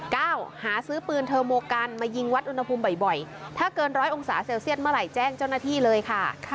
หาซื้อปืนเทอร์โมกันมายิงวัดอุณหภูมิบ่อยถ้าเกินร้อยองศาเซลเซียสเมื่อไหร่แจ้งเจ้าหน้าที่เลยค่ะ